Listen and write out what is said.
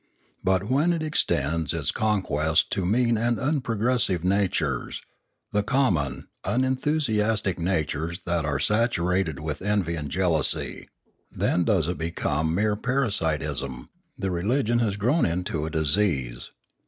But when it extends its con quest to mean and unprogressive natures, the common, unenthusiastic natures that are saturated with envy and jealousy, then does it become mere parasitism; the religion has grown into a disease.